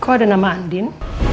kok ada nama andin